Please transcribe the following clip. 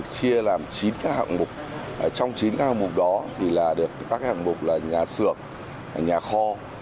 chia làm chín hạng mục trong chín hạng mục đó thì được các hạng mục là nhà sưởng nhà kho